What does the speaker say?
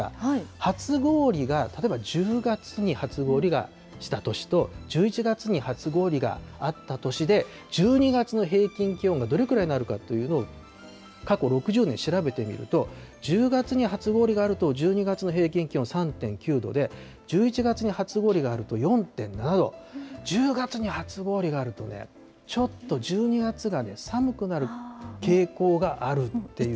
初氷が、例えば１０月に、初氷がした年と、１１月に初氷があった年で、１２月の平均気温がどれくらいになるかというのを、過去６０年調べてみると、１０月に初氷があると、１２月の平均気温３．９度で、１１月に初氷があると４．７度、１０月に初氷があるとね、ちょっと１２月が寒くなる傾向があるっていう。